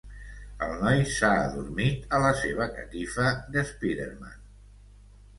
El noi s'ha adormit a la seva catifa d'Spiderman